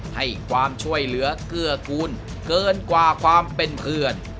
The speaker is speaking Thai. ให้ความช่วยเหลือเกื้อกูลเกินกว่าความเป็นเพื่อน